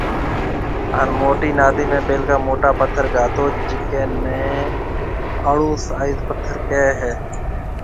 هان موٽِي نادي ۾ پيلڪا موٽا پٿر گھاتوجيڪيَ نيَ آلوُ سائز پٿر ڪيَ هيَ